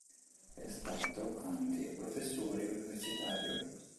È stato anche professore universitario.